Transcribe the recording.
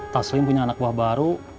taslim punya anak buah baru